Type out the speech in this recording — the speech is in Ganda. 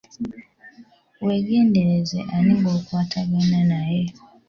Wegendereze ani gw'okwatagana naye.